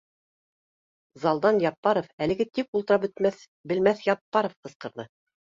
Залдан Яппаров, әлеге тик ултыра белмәҫ Яппаров ҡысҡырҙы: